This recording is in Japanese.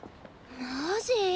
マジ！？